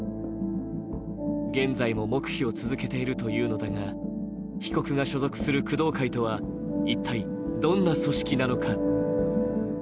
現在も黙秘を続けているというのだが、被告が所属する工藤会とは、一体どんな組織なのか。